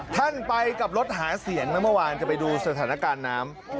ท่านไปกับรถหาเสียงนะเมื่อวานจะไปดูสถานการณ์น้ำ